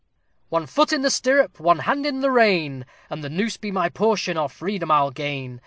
"One foot in the stirrup, one hand in the rein, And the noose be my portion, or freedom I'll gain!